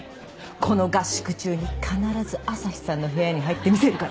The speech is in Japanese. この合宿中に必ず朝陽さんの部屋に入ってみせるから！